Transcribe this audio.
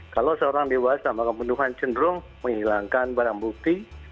kalau seorang dewasa maka pembunuhan cenderung menghilangkan barang bukti